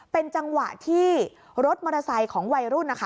เป็นจังหวะที่รถมอเตอร์ไซค์ของวัยรุ่นนะคะ